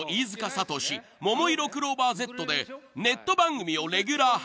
ももいろクローバーＺでネット番組をレギュラー配信］